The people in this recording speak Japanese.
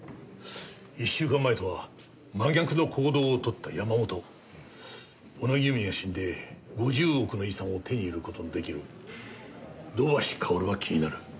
１週間前とは真逆の行動を取った山本小野木由美が死んで５０億の遺産を手に入れる事の出来る土橋かおるは気になる。